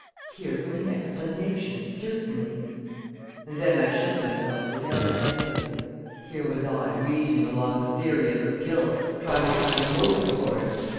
Here was an explanation, certainly! And then I shook myself together angrily. Here was I, reasoning along the theory of her guilt trying to find a motive for it!